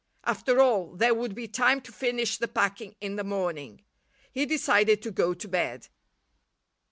After all there would be time to finish the packing in the morning. He decided to go to bed.